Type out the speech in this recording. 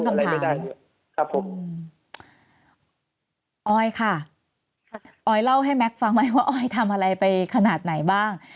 เอาค่ะอ่อยเล่าให้แม็คฟังไม่รู้ว่าเอาียงทำอะไรไปขนาดไหนบ้าง